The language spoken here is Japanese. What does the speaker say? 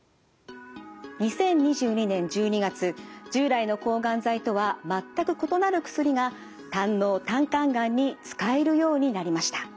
２０２２年１２月従来の抗がん剤とは全く異なる薬が胆のう・胆管がんに使えるようになりました。